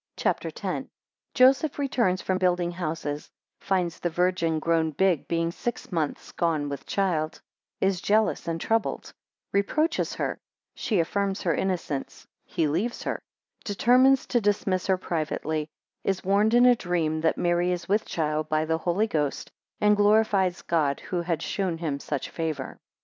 CHAPTER X. 1 Joseph returns from building houses, finds the Virgin grown big, being six months gone with child, 2 is jealous and troubled, 8 reproaches her, 10 she affirms her innocence, 13 he leaves her, 16 determines to dismiss her privately, 17 is warned in a dream that Mary is with child by the Holy Ghost, 20 and glorifies God who had shewn him such favour.